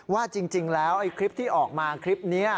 ว่าจริงแล้วไอ้คลิปที่ออกมาคลิปนี้